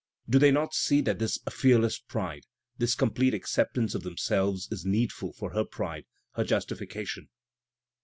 Do they not see that this fearless pride, this complete acceptance of themselves, is needful for her pride, her justification?